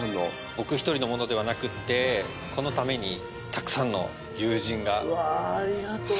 僕一人のものではなくってこのためにたくさんの友人がわぁありがとう